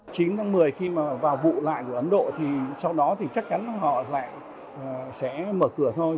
chín tháng một mươi khi vào vụ lại của ấn độ sau đó chắc chắn họ sẽ mở cửa thôi